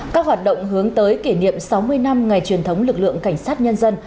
các hoạt động hướng tới kỷ niệm sáu mươi năm ngày truyền thống lực lượng cảnh sát nhân dân